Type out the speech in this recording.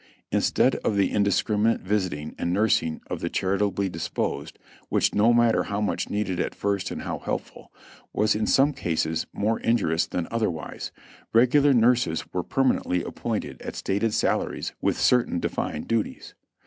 Instead of the indis criminate visiting and nursing of the charitably disposed, which, no matter how much needed at first and how helpful, was in some cases more injurious than otherwise, regular nurses were per manently appointed at stated salaries with certain defined duties.